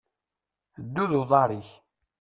Ddu d uḍaṛ-ik.